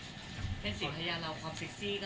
ครอบครัวมีน้องเลยก็คงจะอยู่บ้านแล้วก็เลี้ยงลูกให้ดีที่สุดค่ะ